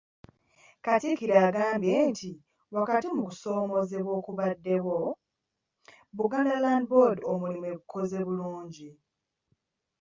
Katikkiro agambye nti wakati mu kusoomoozebwa okubaddewo, Buganda Land Board omulimu egukoze bulungi.